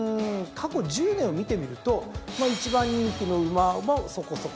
過去１０年を見てみると１番人気の馬もそこそこ。